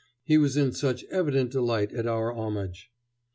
He was in such evident delight at our homage.